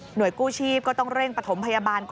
โดยกู้ชีพก็ต้องเร่งประถมพยาบาล